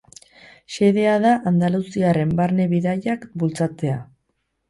Xedea da andaluziarren barne-bidaiak bultzatzea.